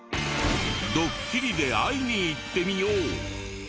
ドッキリで会いに行ってみよう！